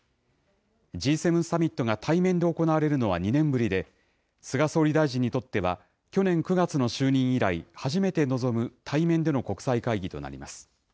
Ｇ７サミットが対面で行われるのは２年ぶりで、菅総理大臣にとっては、去年９月の就任以来、初めて臨む対面での国際会議となります。